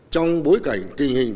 trong bối cảnh tình hình